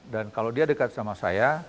dan kalau dia dekat sama saya